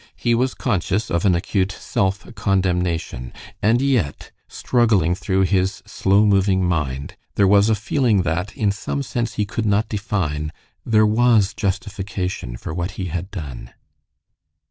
He was conscious of an acute self condemnation, and yet, struggling through his slow moving mind there was a feeling that in some sense he could not define, there was justification for what he had done.